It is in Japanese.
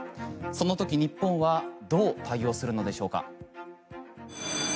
その時、日本はどう対応するのでしょうか。